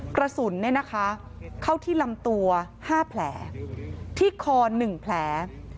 กระสุนเนี้ยนะคะเข้าที่ลำตัวห้าแผลที่คอหนึ่งแผล